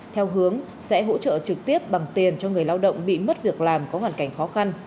theo hướng sẽ hỗ trợ trực tiếp bằng tiền cho người lao động bị mất việc làm có hoàn cảnh khó khăn